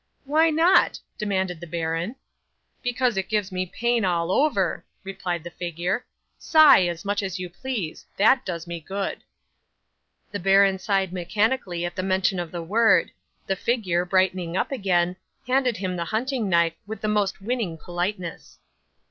'"Why not?" demanded the baron. '"Because it gives me pain all over," replied the figure. "Sigh as much as you please: that does me good." 'The baron sighed mechanically at the mention of the word; the figure, brightening up again, handed him the hunting knife with most winning politeness.